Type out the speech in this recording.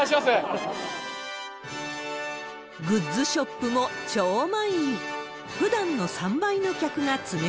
グッズショップも超満員。